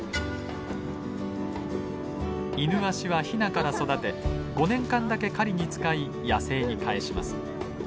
イヌワシはヒナから育て５年間だけ狩りに使い野生に返します。